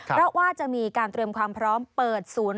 เพราะว่าจะมีการเตรียมความพร้อมเปิดศูนย์